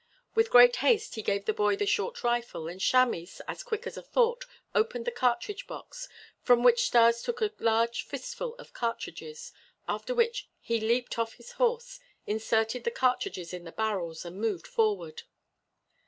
With great haste he gave the boy the short rifle and Chamis, as quick as a thought, opened the cartridge box, from which Stas took a large fistful of cartridges, after which he leaped off his horse, inserted the cartridges in the barrels, and moved forward.